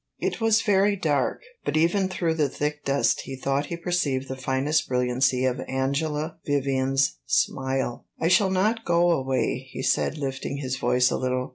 It was very dark, but even through the thick dusk he thought he perceived the finest brilliancy of Angela Vivian's smile. "I shall not go away," he said, lifting his voice a little.